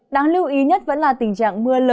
đáng lưu ý nhất vẫn là tình trạng sương mù